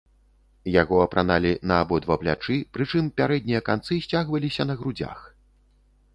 Яго апраналі на абодва плячы, прычым пярэднія канцы сцягваліся на грудзях.